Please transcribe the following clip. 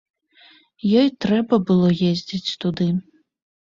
Ёй трэба было ездзіць туды.